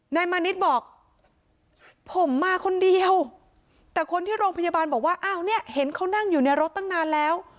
นายมานิดบอกผมมาคนเดียวแต่คนที่โรงพยาบาลบอกว่าอ้าวเนี่ยเห็นเขานั่งอยู่ในรถตั้งนานแล้ว